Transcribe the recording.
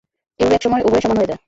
এভাবে এক সময় উভয়ে সমান হয়ে যায়।